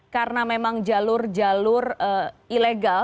karena memang jalur jalur ilegal